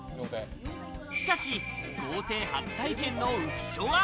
しかし、豪邸初体験の浮所は。